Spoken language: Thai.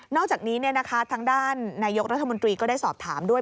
อกจากนี้ทางด้านนายกรัฐมนตรีก็ได้สอบถามด้วย